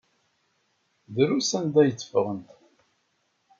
Drus anda ay tteffɣent.